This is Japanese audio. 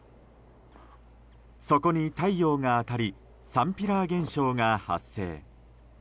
そこに太陽が当たりサンピラー現象が発生。